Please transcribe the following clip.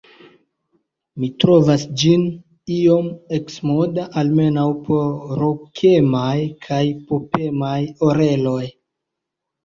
Mi trovas ĝin iom eksmoda, almenaŭ por rokemaj kaj popemaj oreloj.